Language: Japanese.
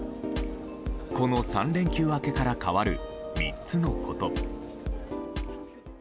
この３連休明けから変わる３つのこと。